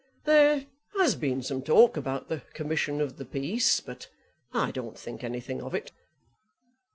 There has been some talk about the Commission of the Peace, but I don't think anything of it."